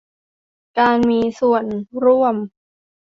การมีส่วนร่วม